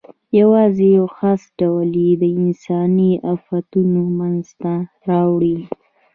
یواځې یو خاص ډول یې انساني آفتونه منځ ته راوړي.